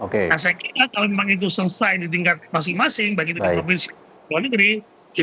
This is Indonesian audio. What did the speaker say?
nah saya kira kalau memang itu selesai di tingkat masing masing bagi dekat provinsi luar negeri